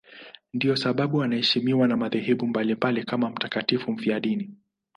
Ndiyo sababu anaheshimiwa na madhehebu mbalimbali kama mtakatifu mfiadini.